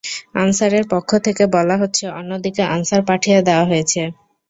অনসারের পক্ষ থেকে বলা হচ্ছে, অন্য দিকে আনসার পাঠিয়ে দেওয়া হয়েছে।